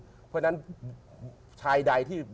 เพราะฉะนั้นชายใดที่